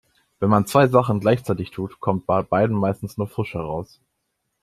Wenn man zwei Sachen gleichzeitig tut, kommt bei beidem meistens nur Pfusch raus.